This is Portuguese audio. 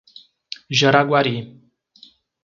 Jaraguari